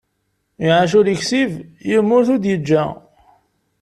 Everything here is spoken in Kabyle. Iɛac ur yeksib, yemmut ur d-yeǧǧa.